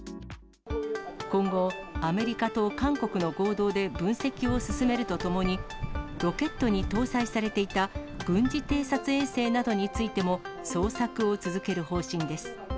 今後、アメリカと韓国の合同で分析を進めるとともに、ロケットに搭載されていた軍事偵察衛星などについても捜索を続ける方針です。